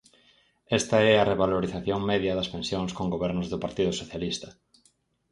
Esta é a revalorización media das pensións con gobernos do Partido Socialista.